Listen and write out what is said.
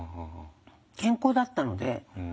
健康だったので。